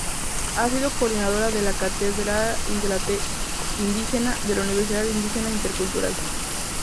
Ha sido coordinadora de la Cátedra Indígena de la Universidad Indígena Intercultural.